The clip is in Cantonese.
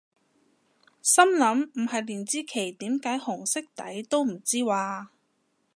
心諗唔係連支旗點解紅色底都唔知咓？